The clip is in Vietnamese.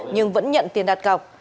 nhưng vẫn nhận tiền đặt cọc